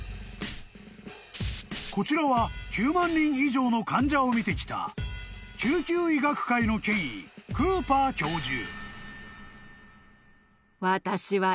［こちらは９万人以上の患者を診てきた救急医学界の権威クーパー教授］